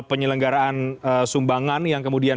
penyelenggaraan sumbangan yang kemudian